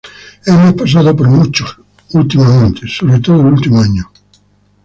Hemos pasado por mucho últimamente, sobre todo el último año.